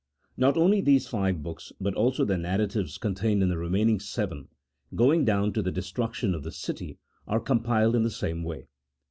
Not only these five books, but also the narratives contained in the remaining seven, going down to the destruction of the city, are compiled in the same way.